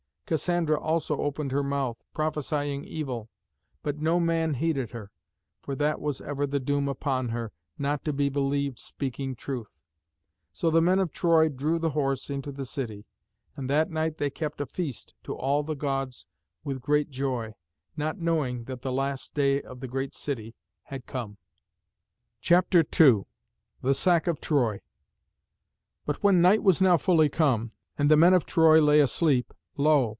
Cassandra also opened her mouth, prophesying evil: but no man heeded her, for that was ever the doom upon her, not to be believed speaking truth. So the men of Troy drew the Horse into the city. And that night they kept a feast to all the Gods with great joy, not knowing that the last day of the great city had come. [Illustration: LAOCOÖN.] CHAPTER II. THE SACK OF TROY. But when night was now fully come, and the men of Troy lay asleep, lo!